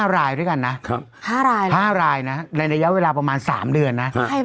๕รายด้วยกันครับครับ๕รายเนี่ยในระยะเวลาประมาณ๓เดือนนะ